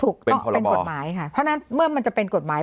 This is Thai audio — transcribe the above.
ถูกต้องเป็นกฎหมายค่ะเพราะฉะนั้นเมื่อมันจะเป็นกฎหมาย